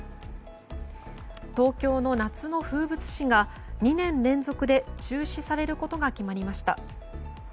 東京の夏の風物詩が２年連続で中止されることが決まりました。